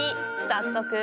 早速。